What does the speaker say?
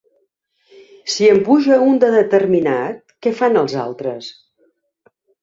Si en puja un de determinat, què fan els altres?